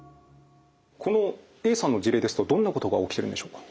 このＡさんの事例ですとどんなことが起きてるんでしょうか？